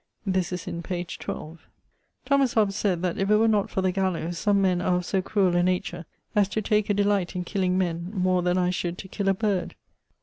This is in p. 12. Thomas Hobbs that if it were not for the gallowes, some men are of so cruell a nature as to take a delight in killing men[FW] more than I should to kill a bird.